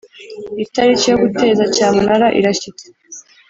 itariki yo guteza cyamunara irashyitse